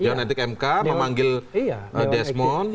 dewan etik mk memanggil desmond